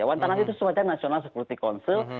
wantanas itu sebuah jalan nasional seperti konsul